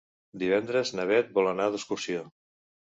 Divendres na Beth vol anar d'excursió.